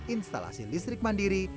instalasi listrik mandiri